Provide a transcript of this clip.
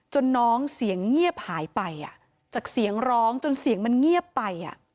น้องเสียงเงียบหายไปจากเสียงร้องจนเสียงมันเงียบไป